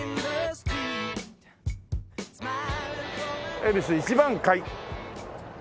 恵比寿一番会。